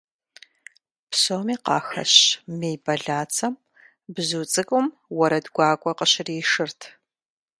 Псоми къахэщ мей бэлацэм бзу цӀыкӀум уэрэд гуакӀуэ къыщришырт.